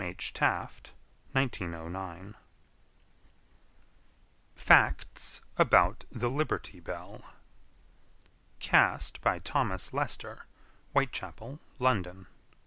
H. Taft 1909 FACTS ABOUT THE LIBERTY BELL. Cast by Thomas Lester, Whitechapel, London.